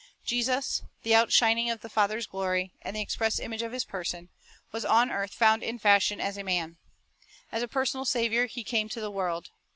Jesus, the out shining of the Father's glory, "and the express image of His person," 1 was on earth found in fashion as a man. As a personal Saviour, He came to the world.